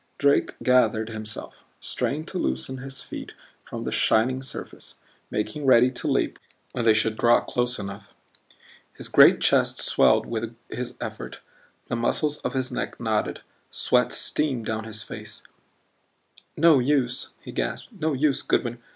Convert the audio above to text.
Drake gathered himself; strained to loosen his feet from the shining surface, making ready to leap when they should draw close enough. His great chest swelled with his effort, the muscles of his neck knotted, sweat steamed down his face. "No use," he gasped, "no use, Goodwin.